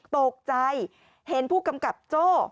ตกใจเห็นผู้กำกับโจ้